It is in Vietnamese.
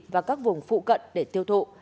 và các vùng phụ cận để tiêu thụ